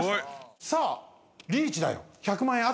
さあリーチだよ。